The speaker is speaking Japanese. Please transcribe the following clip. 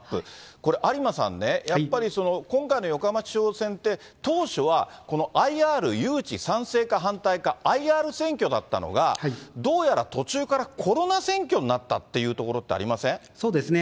これ、有馬さんね、やっぱり今回の横浜市長選って、当初はこのＩＲ誘致賛成か反対か、ＩＲ選挙だったのが、どうやら途中からコロナ選挙になったというところってありませんそうですね。